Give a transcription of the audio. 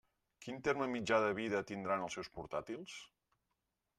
Quin terme mitjà de vida tindran els seus portàtils?